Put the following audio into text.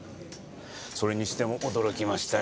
それにしても驚きましたよ